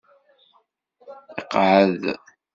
Iqeɛɛed.